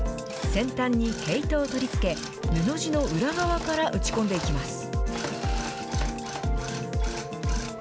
先端に毛糸を取り付け、布地の裏側から打ち込んでいきます。